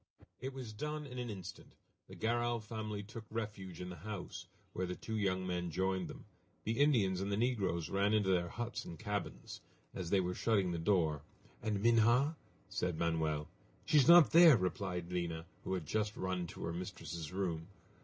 It was done in an instant. The Garral family took refuge in the house, where the two young men joined them. The Indians and the negroes ran into their huts and cabins. As they were shutting the door: "And Minha?" said Manoel. "She is not there!" replied Lina, who had just run to her mistress' room.